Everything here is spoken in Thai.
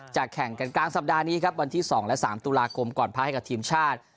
แข่งกันกลางสัปดาห์นี้ครับวันที่๒และ๓ตุลาคมก่อนพักให้กับทีมชาติ